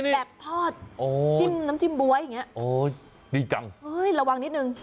แบบทอดจิ้มน้ำจิ้มบ๊วยอย่างเงี้โอ้ดีจังเฮ้ยระวังนิดนึง